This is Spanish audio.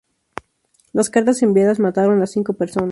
Las cartas enviadas mataron a cinco personas.